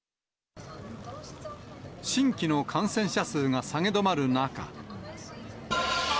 新規の感染者数が下げ止まる中。